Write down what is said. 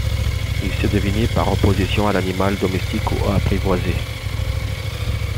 Il se définit par opposition à l'animal domestique ou apprivoisé.